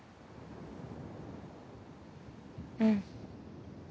うん。